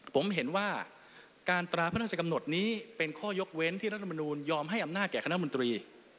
ผมเห็นว่าการตราพระราชกำหนดนี้เป็นข้อยกเว้นที่รัฐมนูลยอมให้อำนาจแก่คณะมนตรี